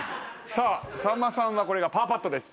さあさんまさんはこれがパーパットです。